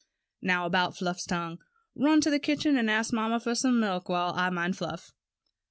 "Now about Fluff's tongue. Run to the kitchen and ask mamma for some milk, while I mind Fluff."